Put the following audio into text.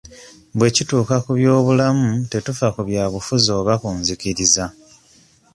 Bwe kituuka ku by'obulamu tetufa ku byabufuzi oba ku nzikiriza.